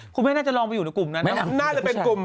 คุณแม่น่าจะลองไปอยู่ในกลุ่มนั้นน่าจะเป็นกลุ่ม